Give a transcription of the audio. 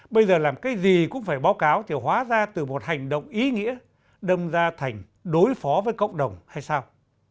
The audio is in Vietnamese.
bây giờ làm cái gì cũng phải báo cáo thì hóa ra từ một hành động ý nghĩa đâm ra thành đối phó với cộng đồng hay sao